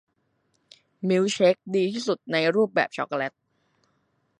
มิลค์เชคดีที่สุดในรูปแบบช็อกโกแลต